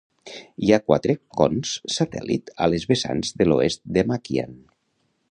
Hi ha quatre cons satèl·lit a les vessants de l'oest de Makian.